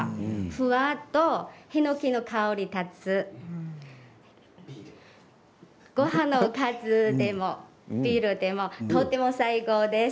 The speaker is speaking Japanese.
ふわっとヒノキの香りが立つごはんのおかずでもビールでもとても最高です。